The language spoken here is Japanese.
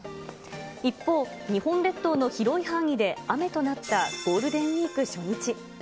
一方、日本列島の広い範囲で雨となったゴールデンウィーク初日。